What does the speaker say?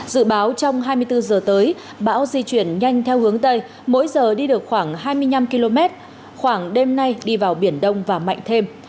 dự báo trong hai mươi bốn giờ tới bão di chuyển nhanh theo hướng tây mỗi giờ đi được khoảng hai mươi năm km khoảng đêm nay đi vào biển đông và mạnh thêm